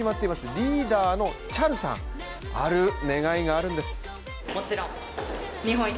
リーダーのＣＨＡＬさん、ある願いがあるんですよ。